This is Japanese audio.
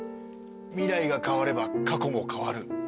「未来が変われば過去も変わる‼」。